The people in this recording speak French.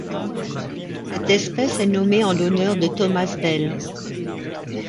Cette espèce est nommée en l'honneur de Thomas Bell.